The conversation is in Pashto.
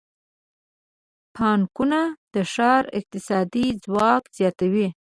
پانګونه د ښار اقتصادي ځواک زیاتوي.